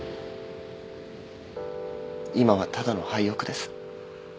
今はただの廃屋です。